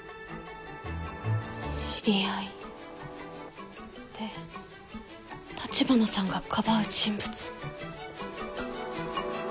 知り合いで立花さんがかばう人物。